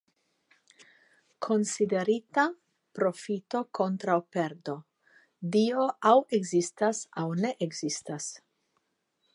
Konsiderita profito kontraŭ perdo... Dio aŭ ekzistas aŭ ne ekzistas.